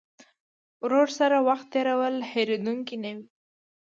ورور سره وخت تېرول هېرېدونکی نه وي.